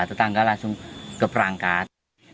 tetangga langsung ke perangkat